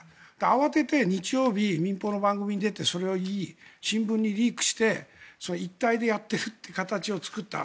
慌てて日曜日、民放の番組に出てそれを言い、新聞にリークして一体でやっているという形を作った。